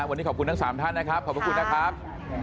วันนี้ขอบคุณทั้ง๓ท่านนะครับ